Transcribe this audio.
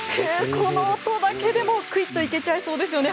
この音だけでも、くいっといけちゃいそうですよね